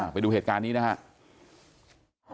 ไปดูเหตุการณ์นี้นะครับ